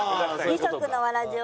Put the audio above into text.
二足のわらじ！